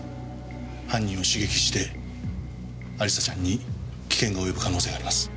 犯人を刺激して亜里沙ちゃんに危険が及ぶ可能性があります。